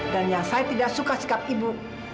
dan yang saya tidak suka sikap ibu